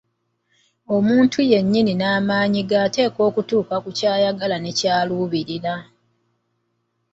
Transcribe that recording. Omuntu yennyini n'amaanyi ge y'ateekwa okutuuka ku ky'ayagala ne ky'aluubirira.